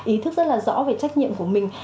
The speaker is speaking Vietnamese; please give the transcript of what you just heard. ý thức rất là rõ về trách nhiệm của mình